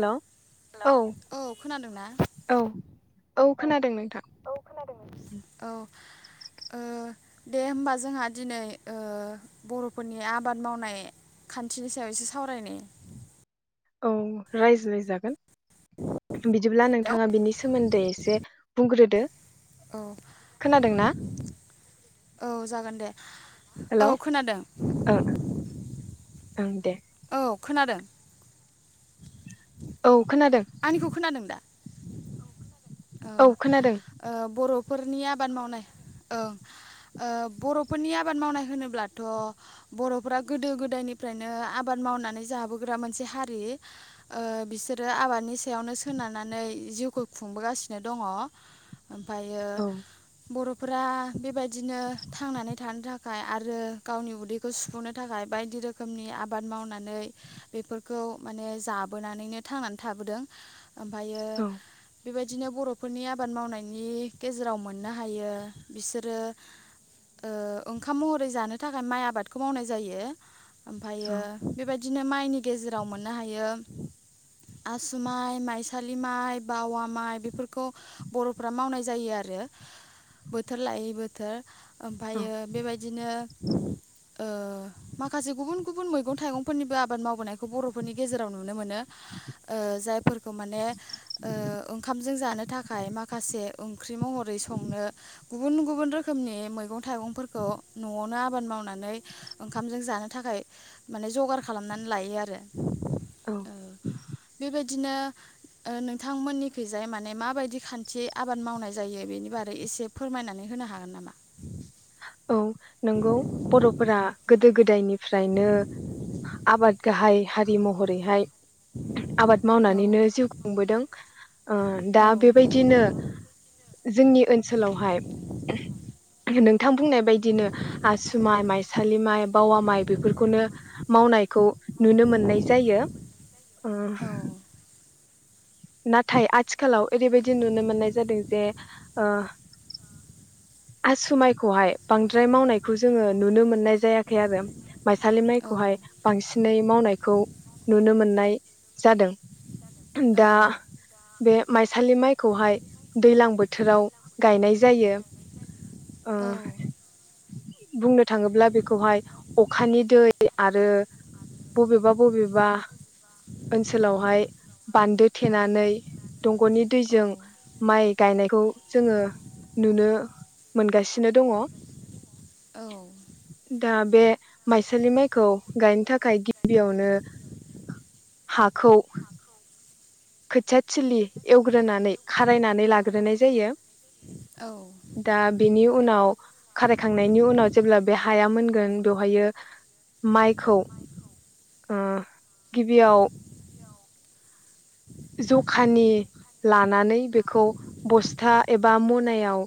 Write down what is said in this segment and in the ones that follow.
हेल। औ खोनादों ना? औ औ। खोनादों नोंथां। ओ दे होमबा जोंहा दिनै ओ बर'फोरनि आबाद मावनाय खान्थिनि सायाव एसे सावरायनि। औ रायज्लायजागोन बिदिब्ला हेलौ नोंथाङा बिनि सोमोन्दै एसे बुंग्रोदो। औ। खोनादों ना औ जागोन दे। हेल' औ ओं खोनादों। ओं दे। औ खोनादों। औ। खोनादों आंनिखौ खोनादों दा? औ औ खोनादों ओ बर' फोरनि आबाद मावनाय। ओं। ओ बर'फोरनि आबाद मावनाय होनोब्लाथ' बर'फोरा गोदो गोदायनिफ्रायनो आबाद मावनानै जाबोग्रा मोनसे हारि ओ बिसोरो आबाद दनि सायावनो सोनारनानै जिउखौ खुंबोगासिनो दङ। ओमफ्रायो औ बर' फोरा बेबाय दिनो थांनानै थानो था खाय आरो गावनि उदैखौ सुफुंनो थाखाय बायदि रोखोमनि आबाद मावनानै बेफोरखौ माने जाबोनानैनो थांनानै थाबोदों। ओमफ्रायो औ बेबायदिनो बर'फोरनि आबाद मावनायनि गेजेराव मोननो हायो बिसोरो ओ ओंखाम महरै जानो थाखाय माइ आबादखौ मावनाय जायो। औ ओमफ्रायो बेबाय दिनो माइनि गेजेराव मोननो हायो आसु माइ, माइसालि माइ, बावा माइ बेफोरखौ बर'फ्रा मावनाय जायो आरो बोथोर लायै बोथोर। औ ओमफ्रायो बेबायदिनो ओ माखासे गुबुन गुबुन मैगं थाइगंफोरनिबो आबाद मावबोनायखौ बर'फोरनि गेजेराव नुनो मोनो। ओ जायफोरखौ माने ओ ओंखामजों जानो थाखाय माखासे ओंख्रि मह रै संनो गुबुन गुबुन रोखोमनि मैगं थाइगंफोरखौ न'आवनो आबाद मावनानै ओंखामजों जानो थाखाय माने जगार खालामनानै लायो आरो। औ बेबायदिनो ओ नोंथांमोननिखैजाय माने माबायदि खान्थियै आबाद मावनाय जायो बेनि बारै एसे फोरमायनानै होनो हागोन नामा? औ नोंगौ बर'फोरा गोदो गोदायनिफ्रायनो आबाद गाहाइ हारि महरैहाय आबाद औ मावनानैनो जिउ खुंबोदों ओ दा औ बेबायदिनो जोंनि ओनसोलावहाय नों बुंनाय बायदिनो आसु माइ माइसालि माइ बावा माइ बेफोरखौनो मावनायखौ नुनो मोननाय जायो। ओ औ नाथाय आथिखालाव ओरैबायदि नुनो मोननाय जादों जे ओ आसु माइखौहाय बांद्राय मावनायखौ जोङो नुनो मोननाय जायाखै आरो माइसालि माइखौहाय बांसिनै मावनायखौ नुनो मोननाय जादों औ दा बे माइसालि माइखौहाय दैलां बो बोथोराव गायनाय जायो ओ औ बुंनो थाङोब्ला बेखौहाय अखानि दै आरो बबेबा बबेबा ओनसोलावहाय बान्दो थेनानै दंगनि औ दैजों माइ गायनायखौ जोङो नुनो मोनगासिनो दङ औ दा बे माइसालि माइखौ गायनो थाखाय गिबियावनो हाखौ खोथियाथिलि एवग्रोनानै खारायनानै लाग्रोनाय जायो। दा बेनि उनाव खारायखांनायनि उनाव जेब्ला बे हाया मोनगोन बेवहायो माइखौ ओ गिबियाव जखानि लानानै बेखौ बस्था एबा मनायाव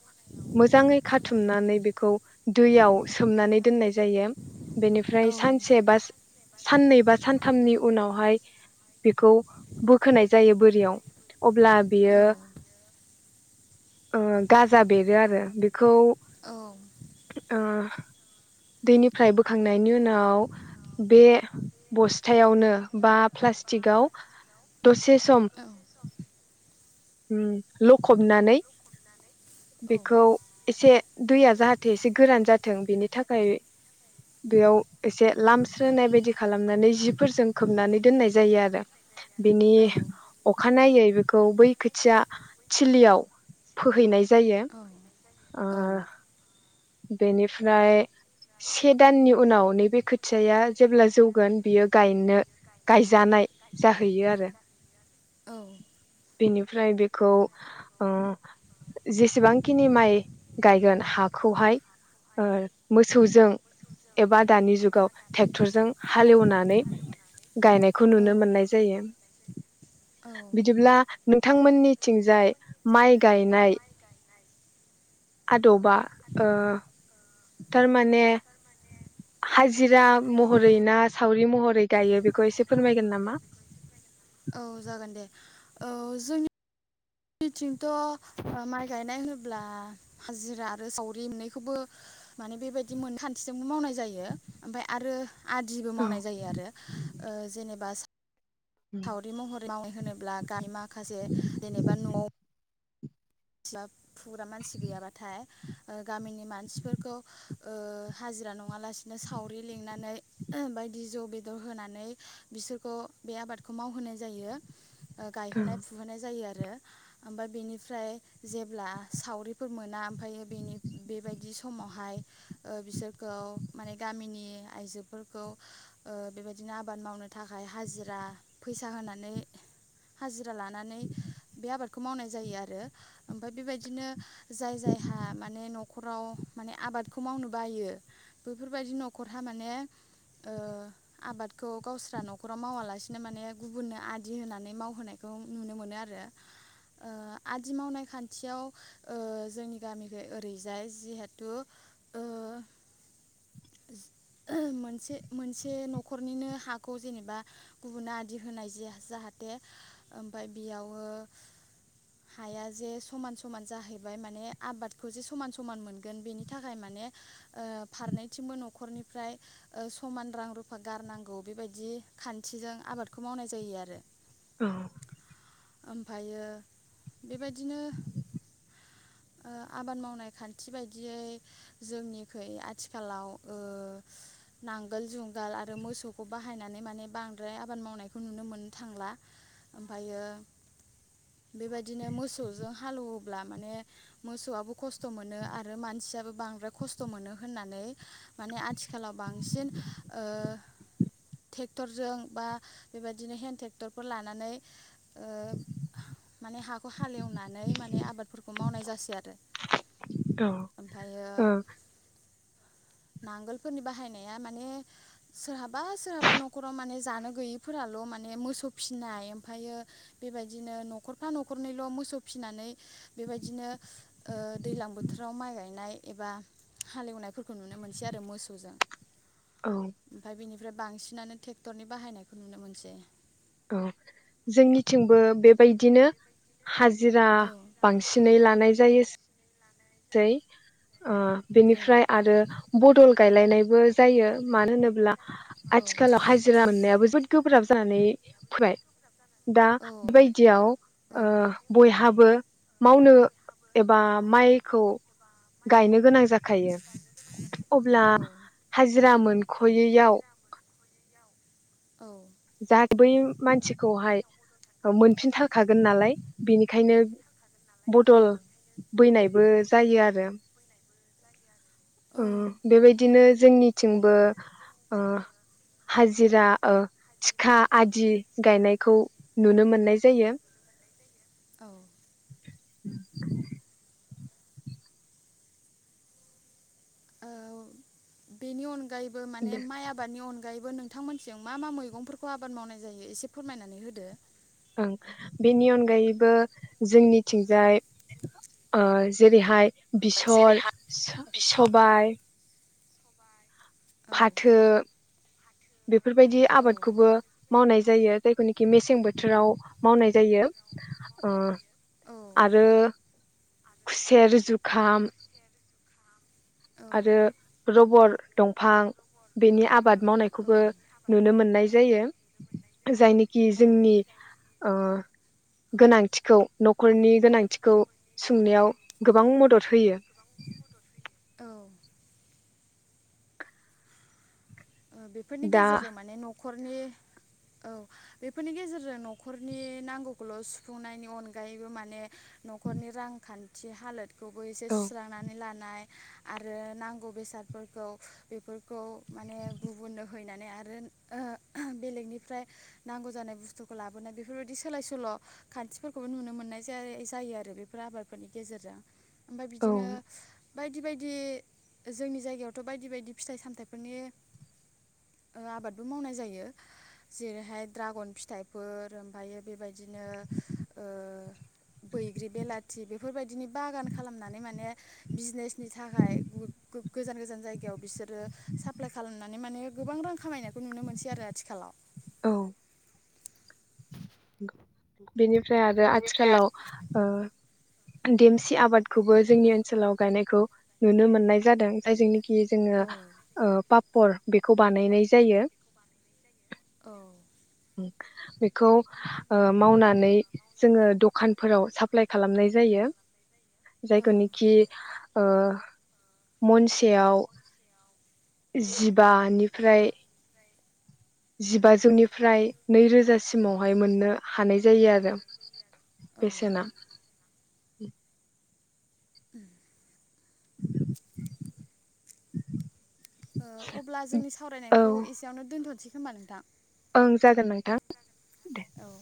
मोजाङै खाथुमनानै बेखौ दैयाव सोमनानै दोननाय जायो। बेनिफ्राय सानसे बास साननै बा सानथामनि उनावहाय बेखौ बोखोनाय जायो बोरियाव अब्ला बेयो औ ओ गाजा बेरो आरो बेखौ औ ओ दैनिफ्राय बोखांनायनि उनाव बे बस्थायावनो बा प्लास्टिकआव दसे स सम उम लखबनानै बेखौ एसे दैया जाहाथे एसे गोरान जाथों बेनि थाखाय बेयाव एसे लामस्रोनाय बायदि खालामनानै जिफोरजों खोबनानै दोननाय जायो आरो बिनि अखानायै बेखौ बै खोथिया थिलियाव फोहैनाय जायो औ ओ बेनिफ्राय से दाननि उनाव नैबे खोथियाया जेब्ला जौगोन बियो गायनो गायजानाय जाहैयो आरो औ बेनिफ्राय बेखौ उम जेसेबांखिनि माइ गायगोन हाखौहाय ओ मोसौजों एबा दानि जुगाव ट्रेक्टरजों हालेवनानै गायनायखौ नुनो मोननाय जायो औ बिदिब्ला नोंथांमोननिथिंजाय माइ गायनाय गायनाय आदबा ओ आदबा थारमाने थारमाने हाजिरा हाजिरा महरै ना सावरि महरै गायो बेखौ एसे फोरमायगोन नामा औ जागोन दे औ जोंनि निथिंथ माइ गायनाय होनोब्ला हाजिरा आरो सावरि मोननैखौबो माने बेबायदि मोन खान्थिजोंबो मावनाय जायो ओमफ्राय आरो आदिबो औ मावनाय जायो आरो ओ जेनेबा सावरि महरै मावै होनोब्ला गाम माखासे जेनेबा न'आव स्लाब फुग्रा मानसि गैयाबाथाय गामिनि मानसिफोरखौ ओ हाजिरा नङालासिनो सावरि लिंनानै ओ बायदि जौ बेदर होनानै बिसोरखौ बे आबादखौ मावहोनाय जायो ओ गायहोनाय फुहोनाय जायो आरो ओ ओमफ्राय बेनिफ्राय जेब्ला सावरिफोर मोना ओमफाय बेनि बेबायदि सु समावहाय बिसोरखौ माने गामिनि आइजोफोरखौ ओ बेबायदिनो आबाद मावनो थाखाय हाजिरा फैसा होनानै हाजिरा लानानै बे आबादखौ खौ मावनाय जायो आरो। ओमफाय बेबायदिनो जाय जायहा माने न' नख'राव माने आबादखौ मावनो बायो बैफोरबायदि नखरहा माने आबादखौ गावस्रा न'खराव मावालासिनो माने गुबुननो आदि होनानै मावहोनायखौ नुनो मोनो आरो आदि मावनाय खान्थियाव ओ जोंनि गामिख ओरैजाय जिहेथु मोनसे मोनसे न'खरनिनो हाखौ जेनेबा गुबुना आदिर होनाय जाहाथे ओमफाय बेयावो हाया जे समान समान जाहैबाय माने आबादखौ जे समान समान मोनगोन बेनि थाखाय माने ओ फारनैथिंबो नखरनिफ्राय समान रां रुफा गारनांगौ बेबायदि खान्थिजों आबादखौ मावनाय जायो आरो उम। ओमफ्फायो बेबायदिनो ओ आबाद मावनाय खान्थि बायदियै जोंनिखै आथिखालाव नांगोल जुंगाल आरो मोसौखौ बाहायनानै माने बांद्राय आबाद मावनायखौ नुनो मोननो थांला ओमफ्रायो बेबाय बिदिनो मोसौजों हालेवोब्ला माने मोसौआबो खस्थ मोनो आरो मानसियाबो बांद्राय खस्थ मोनो होननानै माने आथिखालाव बांसिन ओ ट्रेक्टरजों बा बेबायदिनो हेन्द ट्रेक्टरफोर लानानै ओ माने हा हालेवनानै माने आबादफोरखौ बेखौ मावनाय जासै आरो। औ ओमफ्रायो ओ। नांगोलफोरनि बाहायनाया माने सोरहाबा सोरहाबा न'खराव माने जानो गैयिफोराल माने मोसौ फिनाय ओमफायो बेबायदिनो न'खरफा न'खर न'खरनैल मोसौ फिनानै बेबायदिनो ओ दैलां बोथोराव माइ गायनाय एबा हालेवनायफोरखौ नुनो मोनसै आरो मोसौजों औ। ओमफ्राय बेनिफ्राय बांसिनानो टेक्टरनि बाहायनायखौ नुनो मोनसै। औ जोंनिथिंबो बेबायदिनो हाजो जिरा औ बांसिनै लानाय जायो जाय ओ औ बेनिफ्राय आरो बदल गायलायनायबो जायो मानो होनोब्ला आथिखालाव हाजिरा मोननायाबो जोबोद गोब्राब जानानै फैबाय दा औ होनोब्ला बेबायदियाव ओ बयहाबो मावनो एबा माइ खौ गायनो गोनां जाख खायो अब्ला औ हाजिरा मोन खयैयाव औ जा बै मानसिखौहाय मोनफिनथारखागोन नालाय बेनिखायनो औ बदल बैनाय बो जायो आरो। औ ओ बेबायदिनो जोंनिथिंबो ओ हाजिरा ओ थिखा आदि गायनायखौ नुनो मोननाय जायो। औ ओ बेनि अनगा गायैबो माने माइ आबादनि अन आगायैबो नोंथां मोन्निथिं मा मा मैगंफोरखौ आबाद मावनाय जायो एसे फोरमायनानै होदो। ओं बेनि अनगायैबो जोंनिथिंजाय ओ जेरैहाय बिसर, सबाय औ फाथो बेफोरबायदि औ आबादखौबो मावनाय जायो जायखौनिखि मेसें बोथोराव मावनाय जायो। औ आरो खुसेेर जुखाम औ आरो रबर दंफां बेनि आबाद औ मावनायखौबो नुनो मोननाय जायो। [inaudible] जायनोखि औ जोंनि ओ गोनांथिखौ न'खरनि गोनांथिखौ सुंनायाव गोबां मदद होयो। औ बेफोरनि दा गेजेरजों माने नख खरनि औ बेफोरनि गेजेरजों न'खरनि नांगौखौल' सुफुंनायनि अनगायैबो माने न'खरनि रांखान्थ थि हालोद खौबो एसे औ सुस्रांनानै लानाय आरो नांगौ बेसादफोरखौ बेफोरखौ माने गुबुननो हैनानै आरो [unintelligible] ओ बेलेगनिफ्राय नांगौ जानाय बुस्थुखौ लाबोनाय बेफोरबायदि सोलाय सोल खान्थिफोरखौबो नुनो मोननाय जा-जायो आरो बेफोर आबादफोरनि गेजेरजों। ओमफाय औ बिदिनो बायदि बायदि जोंनि जायगायावथ बायदि बायदि फिथाइ सामथाइफोरनि ओ आबादबो मावनाय जायो जेरैहाय द्रागन फिथाइफोर ओमफ्रायो बेबायदिनो ओ बैग्रि बेलाथि बेफोरबायदिनि बागान खालामनानै माने बिजनेसनि थाखाय गो-गो-गोजान गोजान जायगायाव बिसोरो साप्लाइ खा खालामनानै माने गोबां रां खामायनायखौ नुनो मोनसै आरो आथिखालाव। औ। बेनिफ्राय आरो आथिखालाव ओ देमसि आबादखौबो जोंनि ओनसोलाव गायनायखौ नुनो मोननाय जादों जाय जोंनि कि जोङो औ ओ पापर बेखौ बानायनाय जायो। औ बेखौ ओ मावनानै जोङो दखानफोराव साप्लााय खालामनाय जायो। औ जायखौ नेखि ओ मनसेयाव जिबानिफ्राय जिबाजौनि फ्राय नैरोजासिमावहाय मोननो हानाय जायो आरो। औ ओ बेसेना उम। ओ अब्ला जोंनि औ सावरायनायखौ, एसेयावनो दोनथसै होमबा नोंथां। ओं जागोन नोंथां दे। औ